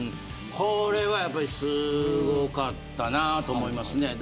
これはやっぱりすごかったなと思います。